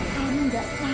dia tuh yang ngeborong